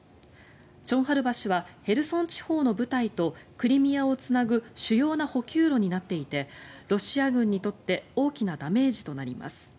チョンハル橋はヘルソン地方の部隊とクリミアを結ぶ主要な補給路になっていてロシア軍にとって大きなダメージとなります。